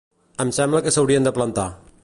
Em sembla que s’haurien de plantar.